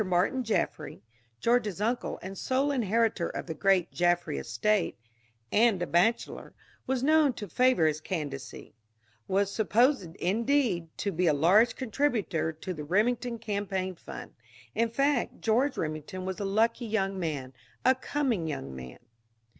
Martin Jaffry, George's uncle and sole inheritor of the great Jaffry estate (and a bachelor), was known to favor his candidacy; was supposed, indeed, to be a large contributor to the Remington campaign fund. In fact, George Remington was a lucky young man, a coming young man.